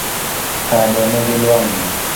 Kado nigi lwang'ni